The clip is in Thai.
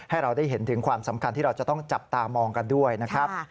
ให้เราได้เห็นถึงความสำคัญที่เราจะต้องจับตามองกันด้วยนะครับ